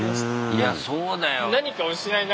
いやそうだよ。